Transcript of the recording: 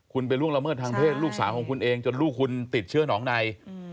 คุณไปล่วงละเมิดทางเพศลูกสาวของคุณเองจนลูกคุณติดเชื้อหนองใน